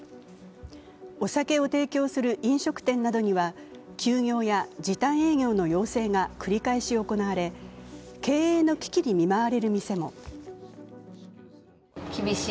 お酒を提供する飲食店などには休業や時短営業の要請が繰り返し行われ、経営の危機に見舞われる店も。